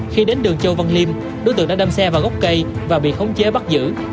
khi đến đường châu văn liêm đối tượng đã đâm xe vào gốc cây và bị khống chế bắt giữ